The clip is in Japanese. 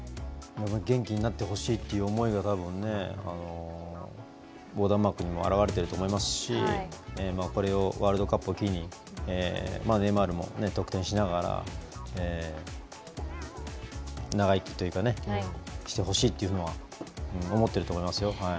元気になってほしいという思いが横断幕にも表れていると思いますしワールドカップを機にネイマールも得点しながら長生きしてほしいと思っていると思いますよ。